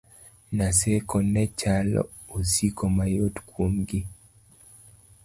Naseko nechalo osiko mayot kuomgi